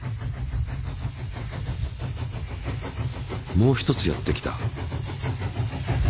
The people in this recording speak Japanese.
もう一つやってきた。